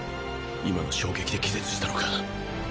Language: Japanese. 今の衝撃で気絶したのか